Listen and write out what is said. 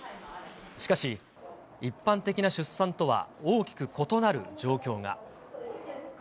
しかし、一般的な出産とは大きく異なる状況が。